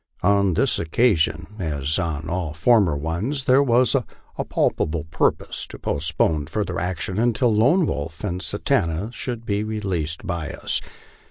On this occasion, as on all former ones, there was a palpable purpose to postpone further action until Lone Wolf and Satanta should be released by us.